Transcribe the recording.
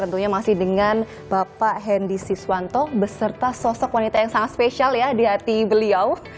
tentunya masih dengan bapak hendy siswanto beserta sosok wanita yang sangat spesial ya di hati beliau